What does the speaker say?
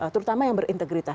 terutama yang berintegritas